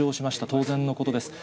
当然のことです。